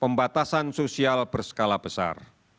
pembatasan sosial berskala besar